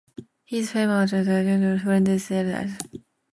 He is a former chairman of Labour Friends of Israel.